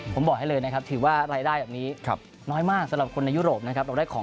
ผมบอกให้เลยนะครับถือว่ารายได้แบบนี้น้อยมากสำหรับคนในยุโรปนะครับ